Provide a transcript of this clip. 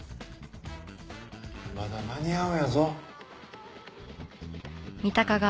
まだ間に合うんやぞ。